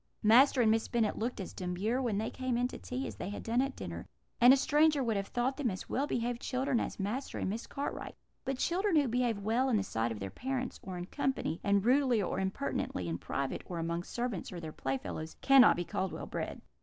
"Master and Miss Bennet looked as demure when they came in to tea as they had done at dinner, and a stranger would have thought them as well behaved children as Master and Miss Cartwright; but children who behave well in the sight of their parents, or in company, and rudely or impertinently in private, or among servants or their playfellows, cannot be called well bred.